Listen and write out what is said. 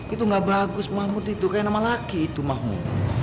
itu gak bagus mahmud itu kayak nama laki itu mahmud